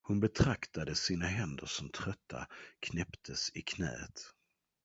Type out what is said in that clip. Hon betraktade sina händer, som trötta knäppts i knät.